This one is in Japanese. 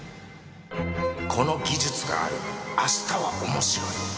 この技術がある明日は面白い